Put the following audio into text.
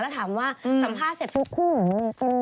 แล้วถามว่าสัมภาษณ์เสร็จพวกคุณ